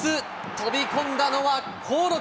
飛び込んだのは興梠。